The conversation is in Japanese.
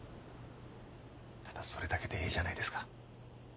ただそれだけでええじゃないですか。